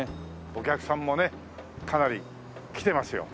お客さんもねかなり来てますよ。